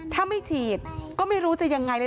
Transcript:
ถ้าไม่ฉีดก็ไม่รู้จะยังไงเลย